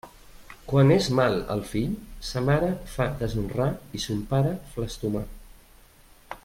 Quan és mal el fill, sa mare fa deshonrar i son pare flastomar.